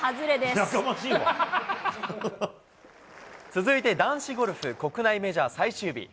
続いて男子ゴルフ国内メジャー最終日。